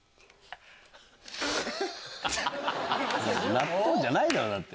納豆じゃないだろだって。